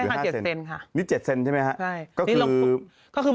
มาเจ็ดเซนค่ะนี่เจ็ดเซนใช่ไหมฮะใช่ก็คือก็คือ